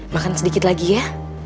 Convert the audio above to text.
makan sedikit lagi ya